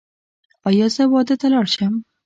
ایا زه واده ته لاړ شم؟